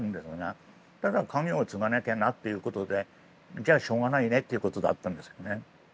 ただ家業を継がなきゃなということでじゃあしょうがないねっていうことだったんですよね。